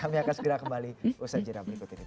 kami akan segera kembali usaha jenah berikut ini